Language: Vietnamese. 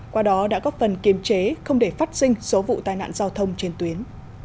qua đó đã góp phần kiềm chế không để phát sinh số vụ tai nạn giao thông trên tuyến